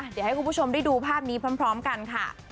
เดี๋ยวให้คุณผู้ชมได้ดูภาพนี้พร้อมกันค่ะ